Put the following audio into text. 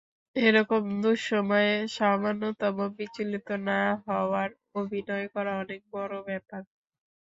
এরকম দুঃসময়ে সামান্যতম বিচলিত না হওয়ার অভিনয় করা অনেক বড় ব্যাপার।